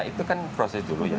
itu kan proses dulu ya